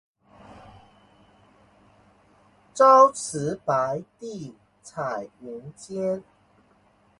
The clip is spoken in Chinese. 朝辞白帝彩云间